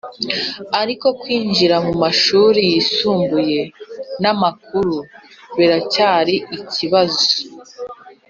ariko kwinjira mu mashuri yisumbuye n'amakuru biracyari ikibazo